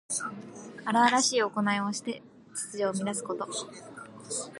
荒々しいおこないをして秩序を乱すこと。